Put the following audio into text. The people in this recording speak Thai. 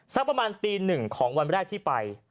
สักประมาณตีหนึ่งของวันแรกที่ไป